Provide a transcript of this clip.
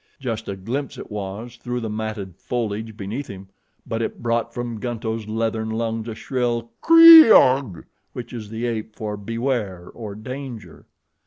Just a glimpse it was through the matted foliage beneath him; but it brought from Gunto's leathern lungs a shrill "Kreeg ah!" which is the ape for beware, or danger.